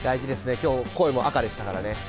今日、天の声も赤でしたからね。